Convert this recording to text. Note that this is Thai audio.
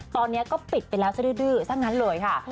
ตอนนี้ก็ปิดไปแล้วซะดื้อซะงั้นเลยค่ะ